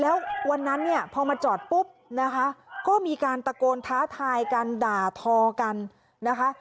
แล้ววันนั้นเนี่ยพอมาจอดปุ๊บนะคะก็มีการตะโกนท้าทายกันด่าทอกันนะคะ